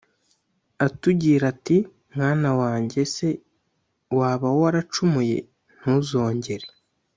atugira ati "Mwana wanjye se waba waracumuye ? Ntuzongere